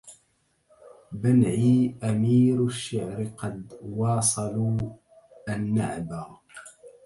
بنعي أمير الشعر قد واصلوا النعبا